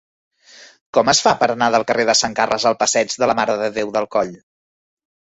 Com es fa per anar del carrer de Sant Carles al passeig de la Mare de Déu del Coll?